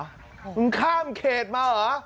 มึงข้ามเขตมาเหรอ